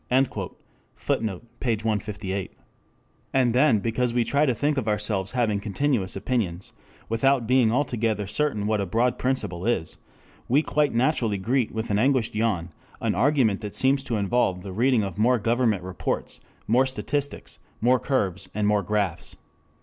[Footnote: Id., footnote, p. 158.] And then because we try to think of ourselves having continuous opinions, without being altogether certain what a broad principle is, we quite naturally greet with an anguished yawn an argument that seems to involve the reading of more government reports, more statistics, more curves and more graphs.